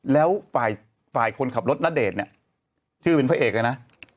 แล้วฝ่ายคนขับรถณเดชน์ชื่อเป็นพระเอกไงนะ